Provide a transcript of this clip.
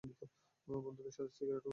বন্ধুদের সাথে সিগারেট ও খেয়েছি।